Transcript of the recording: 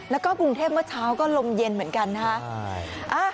แล้วก็กรุงเทพเมื่อเช้าก็ลมเย็นเหมือนกันนะคะ